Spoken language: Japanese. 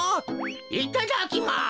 いただきます。